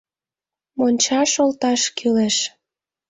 Мончаш олташ кӱлеш...